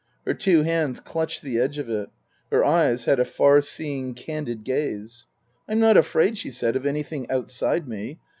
Her two hands clutched the edge of it. Her eyes had a far seeing, candid gaze. "I'm not afraid," she said, " of anything outside me.